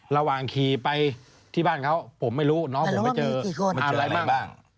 ระหว่างขี่ไปที่บ้านเขาผมไม่รู้น้องผมไปเจออะไรบ้าง